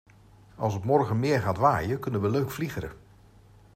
Als het morgen meer gaat waaien kunnen we leuk vliegeren.